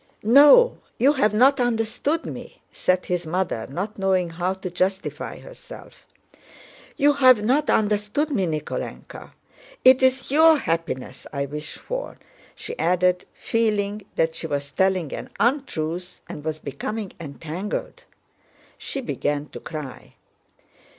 "No, you have not understood me," said his mother, not knowing how to justify herself. "You have not understood me, Nikólenka. It is your happiness I wish for," she added, feeling that she was telling an untruth and was becoming entangled. She began to cry.